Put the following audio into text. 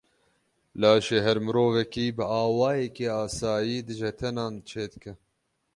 Laşê her mirovekî bi awayekî asayî dijetenan çê dike.